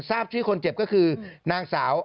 ทราบชื่อคนเจ็บก็คือนางสาว